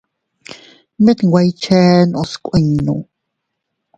Mit nwe iychennos kuinno.